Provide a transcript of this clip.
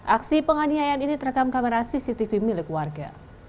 aksi penganiayaan ini terekam kamera cctv milik warga